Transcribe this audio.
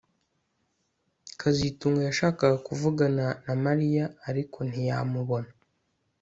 kazitunga yashakaga kuvugana na Mariya ariko ntiyamubona